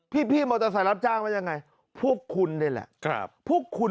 พี่มอเตอร์ไซค์รับจ้างว่ายังไงพวกคุณนี่แหละ